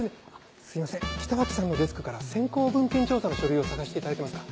すいません北脇さんのデスクから先行文献調査の書類を探していただけますか？